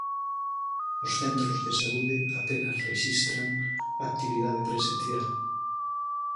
Os centros de saúde apenas rexistran actividade presencial.